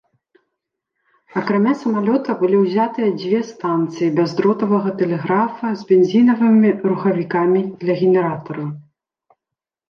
Акрамя самалёта, былі ўзятыя дзве станцыі бяздротавага тэлеграфа з бензінавымі рухавікамі для генератараў.